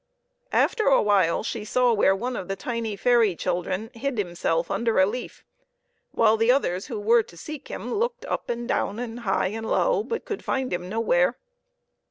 After a while she saw where one of the tiny fairy children hid himself under a leaf, while the others who were to seek him looked up and down, and high and low, but could find him nowhere.